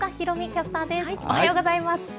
キャスおはようございます。